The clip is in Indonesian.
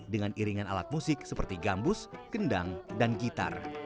dengan iringan alat musik seperti gambus kendang dan gitar